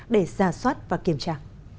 để giả soát và kiểm tra